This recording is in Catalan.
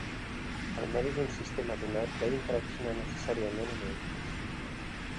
El medi d'un sistema donat deu interaccionar necessàriament amb ell.